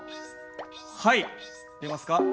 はい出ますか。